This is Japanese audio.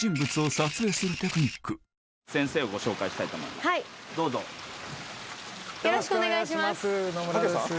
まずはよろしくお願いします。